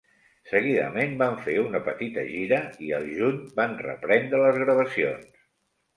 Seguidament van fer una petita gira i al juny van reprendre les gravacions.